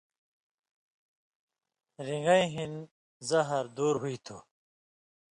رِنگَیں ہِن زہر دُور ہُوئ تُھو۔